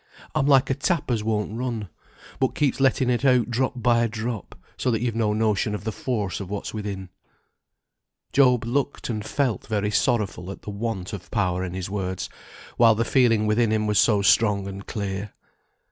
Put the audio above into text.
I'm like a tap as won't run, but keeps letting it out drop by drop, so that you've no notion of the force of what's within." Job looked and felt very sorrowful at the want of power in his words, while the feeling within him was so strong and clear.